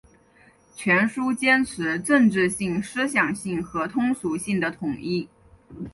全书坚持政治性、思想性和通俗性的统一